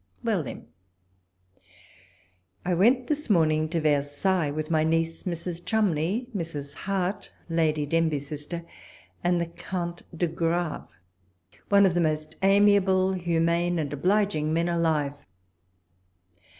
Well then ; I went this morning to Versailles with my niece Mrs. Cholmondeley, Mrs. Hart, Lady Denbigh's sister, and the Count de Grave, one of the most amiable, humane, and obliging men alive.